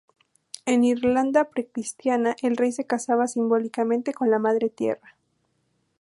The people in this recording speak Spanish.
En la Irlanda precristiana, el rey se casaba simbólicamente con la Madre Tierra.